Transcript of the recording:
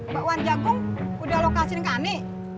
bakwan jagung udah lo kasihin ke ani